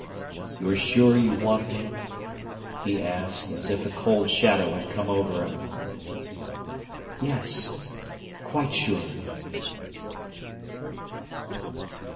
"You are sure you want me?" he asked, as if a cold shadow had come over him. "Yes, quite sure."